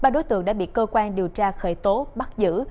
ba đối tượng đã bị cơ quan điều tra khởi tố bắt giữ